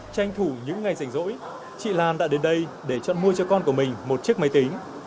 tranh thủ những ngày rảnh rỗi chị lan đã đến đây để chọn mua cho con của mình một chiếc máy tính